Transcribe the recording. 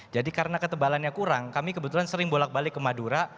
jadi karena ketebalannya kurang kami kebetulan sering bolak balik ke madura